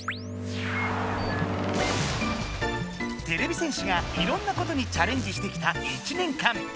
てれび戦士がいろんなことにチャレンジしてきた１年間！